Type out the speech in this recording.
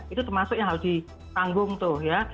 itu termasuk yang harus ditanggung tuh ya